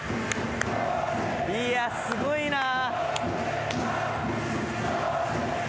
いやすごいなぁ。